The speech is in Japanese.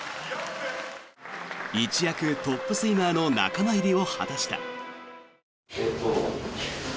一躍トップスイマーの仲間入りを果たした。